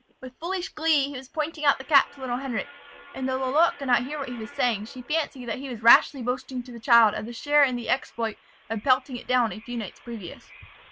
With foolish glee, he was pointing out the cap to little Henric; and though Lalotte could not hear what he was saying, she fancied he was rashly boasting to the child of the share in the exploit of pelting it down a few nights previous.